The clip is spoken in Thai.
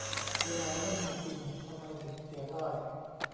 เวลาไม่มีจริง ทำไมถึงเสียได้